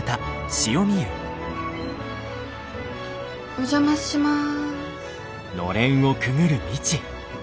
お邪魔します。